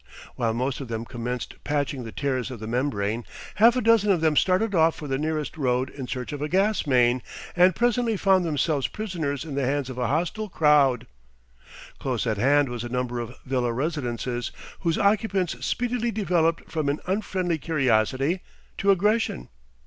While most of them commenced patching the tears of the membrane, half a dozen of them started off for the nearest road in search of a gas main, and presently found themselves prisoners in the hands of a hostile crowd. Close at hand was a number of villa residences, whose occupants speedily developed from an unfriendly curiosity to aggression.